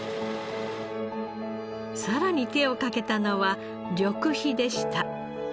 さらに手をかけたのは緑肥でした。